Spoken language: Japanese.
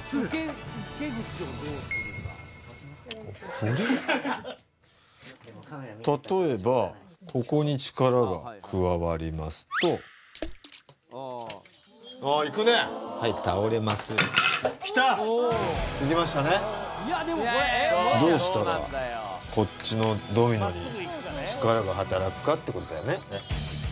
もう例えばここに力が加わりますとはい倒れますどうしたらこっちのドミノに力が働くかってことだよね